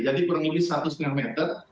jadi perunggi satu ratus lima puluh meter